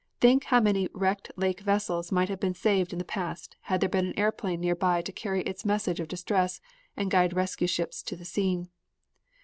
Think how many wrecked lake vessels might have been saved in the past had there been an airplane nearby to carry its message of distress and guide rescue ships to the scene.